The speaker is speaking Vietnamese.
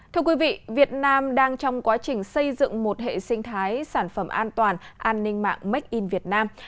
thưa quý vị việt nam đang trong quá trình xây dựng một hệ sinh thái sản phẩm an toàn an ninh mạng make in việt nam